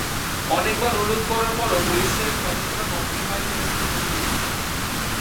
অনেকবার অনুরোধ করার পরও পুলিশের সদস্যরা কক্ষের বাইরের ছবি তুলতে দেননি।